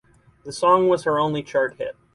The song was her only chart hit.